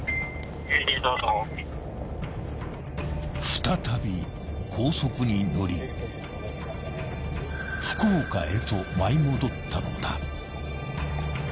［再び高速に乗り福岡へと舞い戻ったのだ］